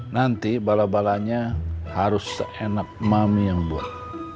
nanti bala balanya harus seenak mami yang buat